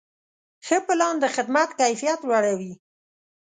ښه پلان د خدمت کیفیت لوړوي.